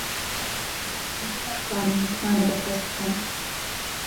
ئیدی ناتوانم متمانە بە کەس بکەم.